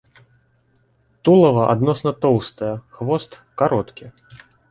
Тулава адносна тоўстае, хвост кароткі.